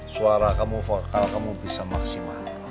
suara kamu vokal kamu bisa maksimal